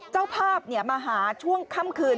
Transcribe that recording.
เจ้าภาพมาหาช่วงค่ำคืน